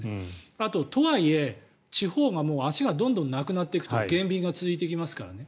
あと、とはいえ、地方が足がどんどんなくなっていくと減便が続いていきますからね。